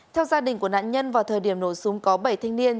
theo gia đình của nạn nhân vào thời điểm nổ súng có bảy thanh niên